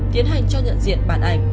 tiến hành cho nhận diện bản ảnh